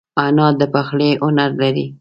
انا د پخلي هنر لري